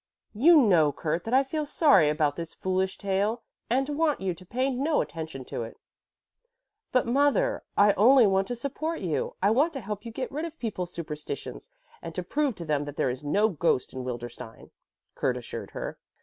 "You know, Kurt, that I feel sorry about this foolish tale and want you to pay no attention to it." "But mother, I only want to support you; I want to help you get rid of people's superstitions and to prove to them that there is no ghost in Wildenstein," Kurt assured her.